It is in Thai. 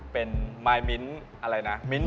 เป็นมายมิ้นท์อะไรนะมิ้นท์บอล